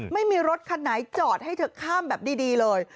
ไม่มีรถคันไหนจอดให้เธอข้ามแบบดีเลย